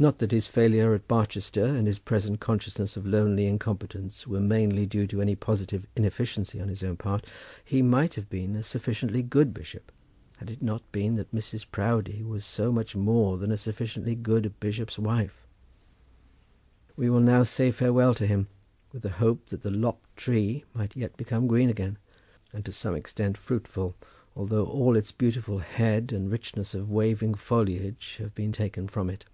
Not that his failure at Barchester, and his present consciousness of lonely incompetence, were mainly due to any positive inefficiency on his own part. He might have been a sufficiently good bishop, had it not been that Mrs. Proudie was so much more than a sufficiently good bishop's wife. We will now say farewell to him, with a hope that the lopped tree may yet become green again, and to some extent fruitful, although all its beautiful head and richness of waving foliage have been taken from it.